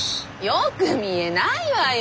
よく見えないわよ